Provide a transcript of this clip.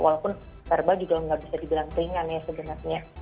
walaupun verbal juga gak bisa dibilang ringan ya sebenarnya